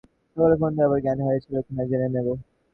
সকালে ফোন দিয়ে আবার জ্ঞান হারিয়েছিলি কিনা জেনে নেব।